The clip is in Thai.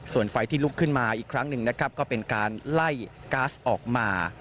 ส่วนไฟที่ลุกขึ้นมาอีกครั้งหนึ่งนะครับก็เป็นการไล่ก๊าซออกมา